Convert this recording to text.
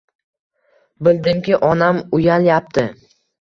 Bildimki, onam uyalyapti.